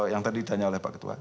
yang tadi ditanya oleh pak ketua